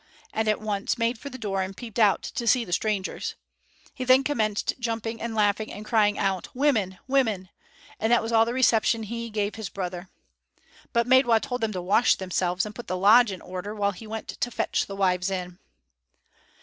and at once made for the door and peeped out to see the strangers. He then commenced jumping and laughing and crying out, "Women! women!" and that was all the reception he: gave his brother. But Maidwa told them to wash themselves and put the lodge in order while he went to fetch the wives in.